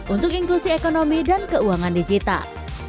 untuk inklusi ekonomi dan keuangan digital